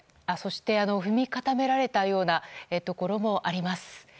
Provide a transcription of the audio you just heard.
そして、踏み固められたようなところもあります。